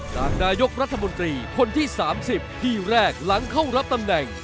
จากนายกรัฐมนตรีคนที่๓๐ที่แรกหลังเข้ารับตำแหน่ง